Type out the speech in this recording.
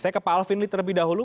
saya ke pak alvin lee terlebih dahulu